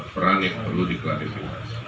peran yang perlu diklarifikasi